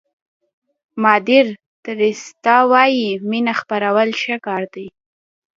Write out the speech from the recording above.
مادر تریسیا وایي مینه خپرول ښه کار دی.